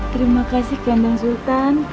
terima kasih kanjeng sulan